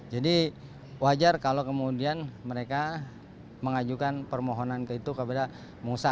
jadi wajar kalau kemudian mereka mengajukan permohonan ke itu kepada musa